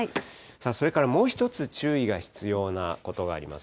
それからもう一つ注意が必要なことがあります。